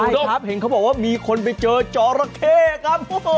คุณผู้ชมครับเห็นเขาบอกว่ามีคนไปเจอจอระเข้ครับ